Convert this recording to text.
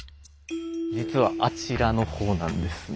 実はあちらの方なんですね。